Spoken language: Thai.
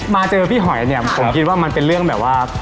มาเจอพี่หอยเนี่ยผมคิดว่ามันเป็นเรื่องแบบว่า